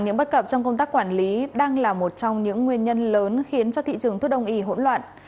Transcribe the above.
những bất cập trong công tác quản lý đang là một trong những nguyên nhân lớn khiến cho thị trường thuốc đông y hỗn loạn